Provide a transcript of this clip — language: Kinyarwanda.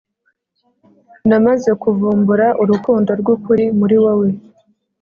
namaze kuvumbura urukundo ry’ukuri muri wowe